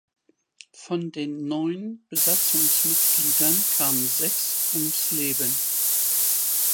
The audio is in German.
Von den neun Besatzungsmitgliedern kamen sechs ums Leben.